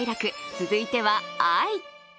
続いては「哀」。